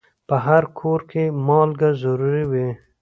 په هر کور کې مالګه ضرور وي.